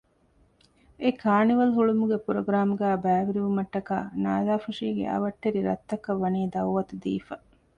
އެކާނިވަލް ހުޅުވުމުގެ ޕްރޮގްރާމްގައި ބައިވެރިވުމަށްޓަކާ ނާލާފުށީގެ އަވަށްޓެރި ރަށްތަކަށް ވަނީ ދައުވަތު ދީފަ